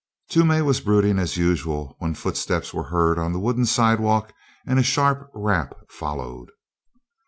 Toomey was brooding as usual, when footsteps were heard on the wooden sidewalk and a sharp rap followed.